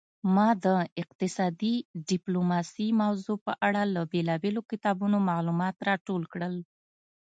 ما د اقتصادي ډیپلوماسي موضوع په اړه له بیلابیلو کتابونو معلومات راټول کړل